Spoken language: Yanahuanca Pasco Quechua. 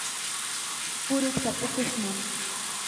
puruksa puqushnam.